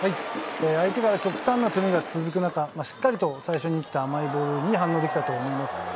相手から極端の攻めが続く中、しっかりと最初に来た甘いボールに反応できたと思います。